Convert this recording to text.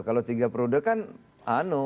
kalau tiga periode kan